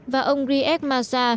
và ông riyad massa